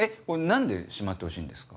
何でしまってほしいんですか？